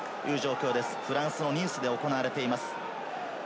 フランスのニースで行われています。